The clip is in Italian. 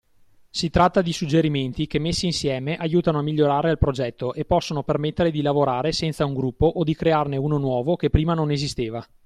Si tratta di suggerimenti che messi insieme aiutano a migliorare il progetto e possono permettere di lavorare senza un gruppo o di crearne uno nuovo che prima non esisteva.